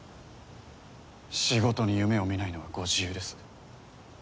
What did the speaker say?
仕事に夢をみないのはご自由です。